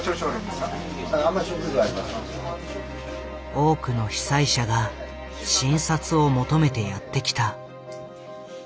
多くの被災者が診察を求めてやって来た。